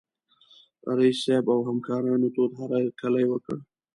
رييس صاحب او همکارانو تود هرکلی وکړ.